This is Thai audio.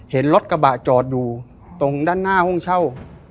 เห็นรถกระบะจอดอยู่ตรงด้านหน้าห้องเช่า